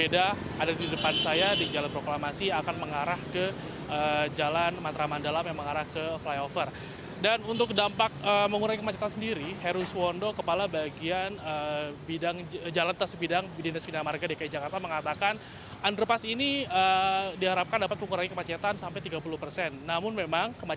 dan di jalan pramuka dari arah rawamangun yang akan mengarah ke jalan pramuka